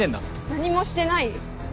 何もしてない？